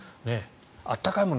温かいもの